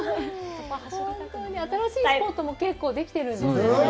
新しいスポットも結構できているんですね。